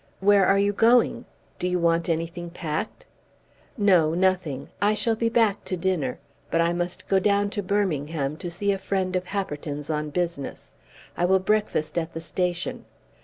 "Where are you going? Do you want anything packed?" "No; nothing. I shall be back to dinner. But I must go down to Birmingham, to see a friend of Happerton's on business. I will breakfast at the station.